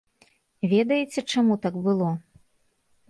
Ведаеце, чаму так было?